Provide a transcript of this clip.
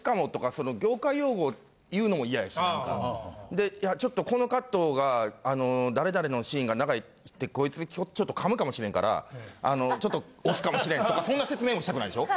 でちょっとこのカットが誰々のシーンが長くてこいつちょっと噛むかもしれんからちょっと押すかもしれんとかそんな説明もしたくないでしょ？